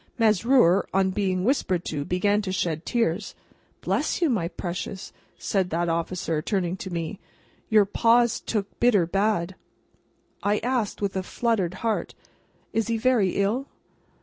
Mesrour, on being whispered to, began to shed tears. "Bless you, my precious!" said that officer, turning to me; "your Pa's took bitter bad!" I asked, with a fluttered heart, "Is he very ill?"